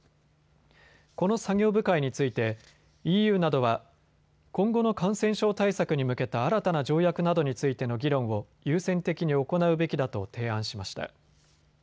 この作業部会についてＥＵなどは今後の感染症対策に向けた新たな条約などについての議論を優先的に行うべきだと提案しました。